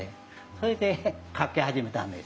それで描き始めたんですよ。